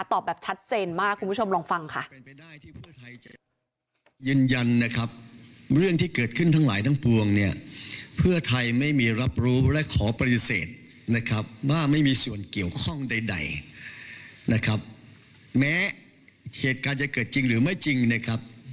ตอบแบบชัดเจนมากคุณผู้ชมลองฟังค่ะ